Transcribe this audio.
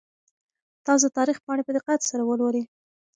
تاسو د تاریخ پاڼې په دقت سره ولولئ.